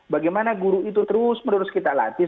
bagaimana guru itu terus menerus kita latih